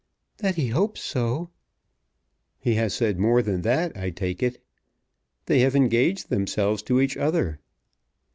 "That he hopes so." "He has said more than that, I take it. They have engaged themselves to each other."